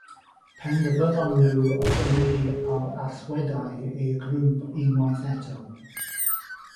Penderfynon nhw ychwanegu allweddellau i'r grŵp unwaith eto.